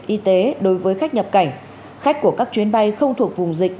khi khai báo y tế đối với khách nhập cảnh khách của các chuyến bay không thuộc vùng dịch